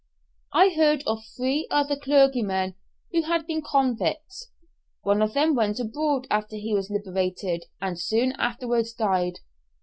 I heard of three other clergymen who had been convicts, one of them went abroad after he was liberated, and soon afterwards died.